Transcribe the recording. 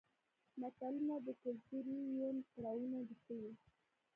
متلونه د کولتوري یون پړاوونه ښيي